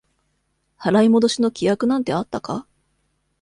払い戻しの規約なんてあったか？